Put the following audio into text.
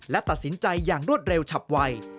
และตัดสินใจอย่างรวดเร็วฉับไว